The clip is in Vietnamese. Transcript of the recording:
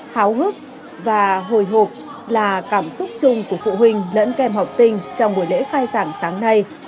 háo hức và hồi hộp là cảm xúc chung của phụ huynh lẫn kèm học sinh trong buổi lễ khai giảng sáng nay